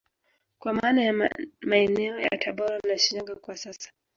Kwa maana ya maeneo ya tabora na Shinyanga kwa sasa